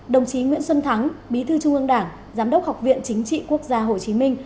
đồng chí nguyễn xuân thắng bí thư trung ương đảng giám đốc học viện chính trị quốc gia hồ chí minh